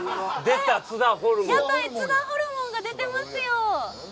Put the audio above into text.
屋台津田ホルモンが出てますよ。